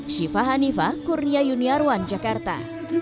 syifa hanifah kurnia yuniarwan jakarta